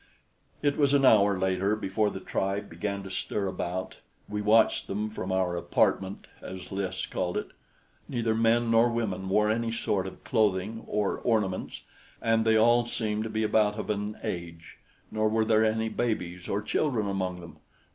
It was an hour later before the tribe began to stir about. We watched them from our "apartment," as Lys called it. Neither men nor women wore any sort of clothing or ornaments, and they all seemed to be about of an age; nor were there any babies or children among them.